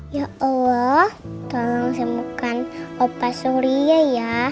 ya allah tolong temukan opa surya ya